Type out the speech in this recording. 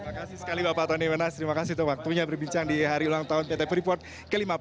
terima kasih sekali bapak tony wenas terima kasih untuk waktunya berbincang di hari ulang tahun pt freeport ke lima puluh enam